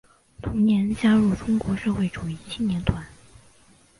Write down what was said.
同年加入中国社会主义青年团。